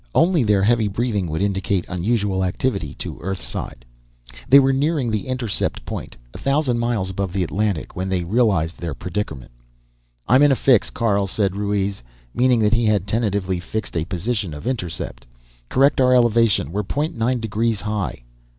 Only their heavy breathing would indicate unusual activity to Earthside. They were nearing the intercept point, a thousand miles above the Atlantic, when they realized their predicament. "I'm in a fix, Carl," said Ruiz, meaning that he had tentatively fixed a position of intercept. "Correct our elevation; we're point nine degrees high."